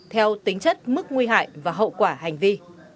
theo tính chất mức nguy hại và hậu quả hành vi